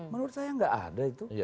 menurut saya nggak ada itu